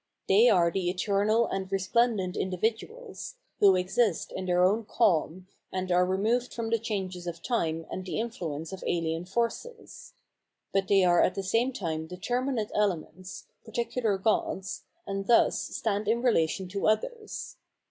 They are the eternal and r^plendent individuals, who exist in their own cahn, and are removed from the changes of time and the influence of alien forces. But they are at the same tune determinate elements, particular gods, and thus stand in relation to others.